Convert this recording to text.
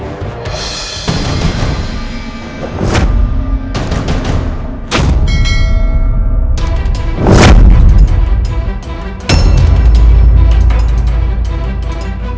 pada hari ini pujanani